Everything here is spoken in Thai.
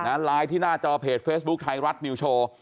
ไลน์ที่หน้าจอเพจเฟซบุ๊คไทยรัฐนิวโชว์